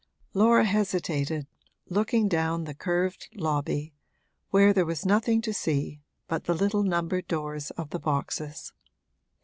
Laura hesitated, looking down the curved lobby, where there was nothing to see but the little numbered doors of the boxes.